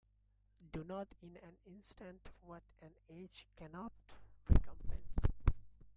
Do not in an instant what an age cannot recompense.